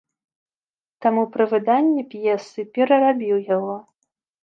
Таму пры выданні п'есы перарабіў яго.